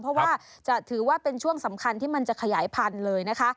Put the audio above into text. เพราะว่าจะถือว่าเป็นช่วงสำคัญที่มันจะขยายพันธุ์เลยนะคะ